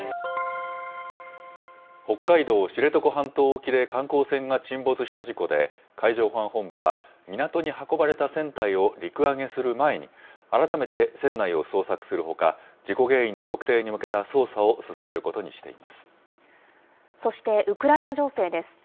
北海道知床半島沖で観光船が沈没した事故で、海上保安本部は港に運ばれた船体を陸揚げする前に、改めて船内を捜索するほか、事故原因の特定に向けた捜査を進めるそして、ウクライナ情勢です。